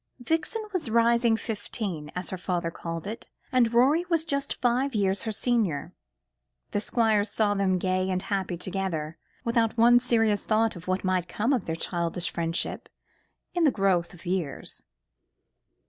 Vixen was "rising fifteen," as her father called it, and Rorie was just five years her senior. The Squire saw them gay and happy together, without one serious thought of what might come of their childish friendship in the growth of years.